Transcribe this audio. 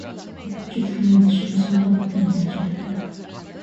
Cütlüyün iki qız övladı dünyaya gəlir.